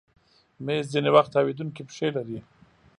مېز ځینې وخت تاوېدونکی پښې لري.